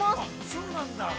◆そうなんだ。